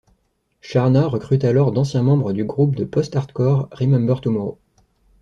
Charnas recrute alors d'anciens membres du groupe de post-hardcore Remember Tomorrow.